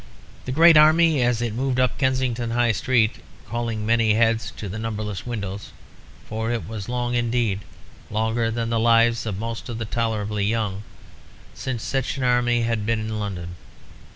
The great army, as it moved up Kensington High Street, calling many heads to the numberless windows, for it was long indeed longer than the lives of most of the tolerably young since such an army had been seen in London.